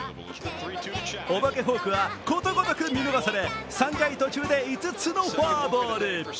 お化けフォークはことごとく見逃され３回途中で５つのフォアボール。